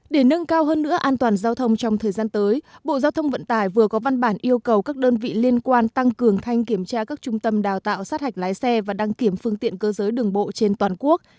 để nâng cao hơn nữa an toàn giao thông trong thời gian tới bộ giao thông vận tải vừa có văn bản yêu cầu các đơn vị liên quan tăng cường thanh kiểm tra các trung tâm đào tạo sát hạch lái xe và đăng kiểm phương tiện cơ giới đường bộ trên toàn quốc